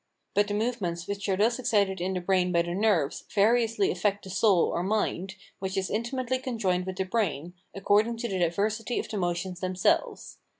But the movements which are thus excited in the brain by the nerves variously affect the soul or mind, which is intimately conjoined with the brain, according to the diversity of the motions themselves.